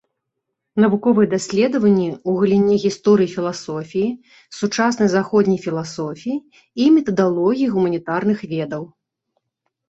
Навуковыя даследаванні ў галіне гісторыі філасофіі, сучаснай заходняй філасофіі і метадалогіі гуманітарных ведаў.